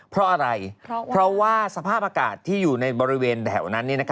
เพราะอะไรเพราะว่าสภาพอากาศที่อยู่ในบริเวณแถวนั้น